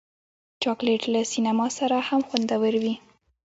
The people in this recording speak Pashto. چاکلېټ له سینما سره هم خوندور وي.